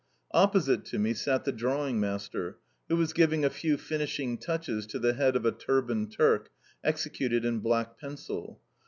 Opposite to me sat the drawing master, who was giving a few finishing touches to the head of a turbaned Turk, executed in black pencil.